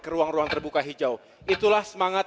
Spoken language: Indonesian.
ke ruang ruang terbuka hijau itulah semangat